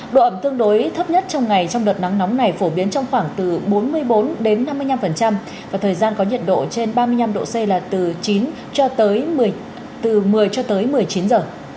độ ẩm tương đối thấp nhất trong ngày trong đợt nắng nóng này phổ biến trong khoảng từ bốn mươi bốn đến năm mươi năm và thời gian có nhiệt độ trên ba mươi năm độ c là từ chín cho tới một mươi cho tới một mươi chín giờ